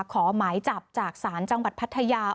ขอหมายจับจากศาลจังหวัดพัทยา